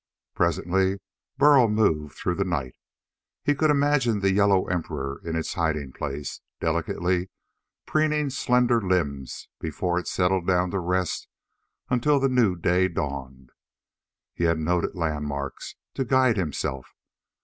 Presently Burl moved through the night. He could imagine the yellow emperor in its hiding place, delicately preening slender limbs before it settled down to rest until the new day dawned. He had noted landmarks, to guide himself.